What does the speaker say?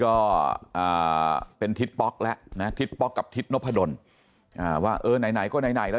ก็เป็นทิศป๊อกแล้วนะทิศป๊อกกับทิศนพดลว่าเออไหนไหนก็ไหนแล้ว